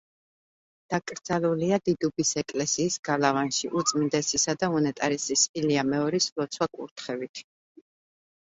დაკრძალულია დიდუბის ეკლესიის გალავანში უწმინდესისა და უნეტარესის ილია მეორის ლოცვა-კურთხევით.